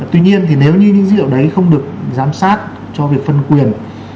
tuy nhiên thì nếu như những dữ liệu đấy không được giám sát cho việc phân quyền